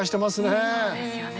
そうですよね